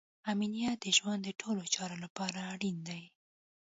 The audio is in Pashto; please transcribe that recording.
امنیت د ژوند د ټولو چارو لپاره اړین دی.